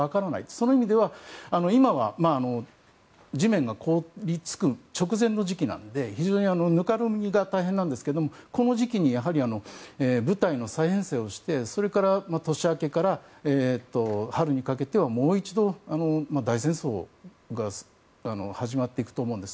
その意味では、今は地面が凍り付く直前の時期なので非常に、ぬかるみが大変なんですけどこの時期に部隊の再編成をして年明けから春にかけてはもう一度、大戦争が始まっていくと思うんです。